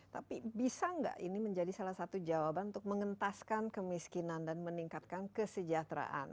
tapi bisa nggak ini menjadi salah satu jawaban untuk mengentaskan kemiskinan dan meningkatkan kesejahteraan